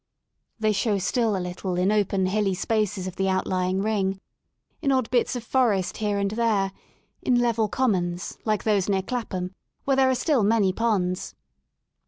They show still a little in open hilly spaces of the outlying ring, in odd bits of forest here and there, in level commons, like those near Clapham, where there are still many ponds.